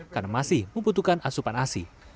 karena masih membutuhkan asupan asi